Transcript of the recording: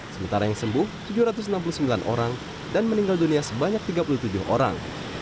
sementara yang sembuh tujuh ratus enam puluh sembilan orang dan meninggal dunia sebanyak tiga puluh tujuh orang